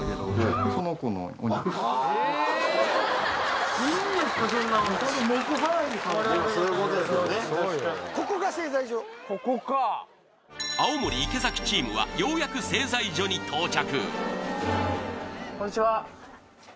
そんな青森池崎チームはようやく製材所に到着